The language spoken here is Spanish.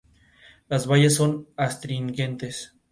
Las bayas son astringentes.